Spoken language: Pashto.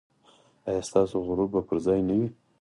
ایا ستاسو غرور به پر ځای نه وي؟